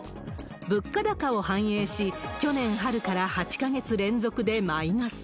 物価高を反映し、去年春から８か月連続でマイナス。